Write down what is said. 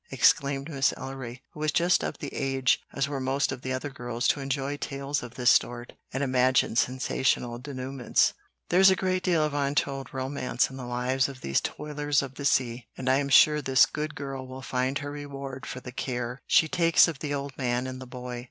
exclaimed Miss Ellery, who was just of the age, as were most of the other girls, to enjoy tales of this sort and imagine sensational denouements. "There is a great deal of untold romance in the lives of these toilers of the sea, and I am sure this good girl will find her reward for the care she takes of the old man and the boy.